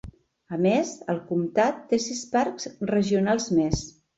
A més, el comtat té sis parcs regionals més.